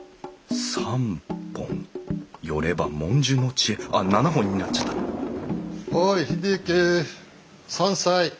３本寄れば文殊の知恵あっ７本になっちゃったおい英之山菜。